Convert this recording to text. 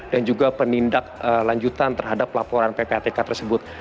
dan juga penindak lanjutan terhadap laporan ppatk tersebut